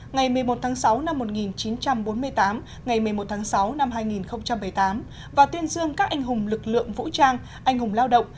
ngày một mươi một sáu một nghìn chín trăm bốn mươi tám ngày một mươi một sáu hai nghìn bảy mươi tám và tuyên dương các anh hùng lực lượng vũ trang anh hùng lao động